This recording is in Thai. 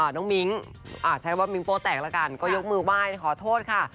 น้องมิ้งใช้ว่ามิ้งโป้แตกแล้วกันก็ยกมือไหว้ขอโทษค่ะ